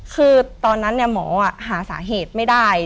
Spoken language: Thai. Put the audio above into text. คือตอนนั้นหมอหาสาเหตุไม่ได้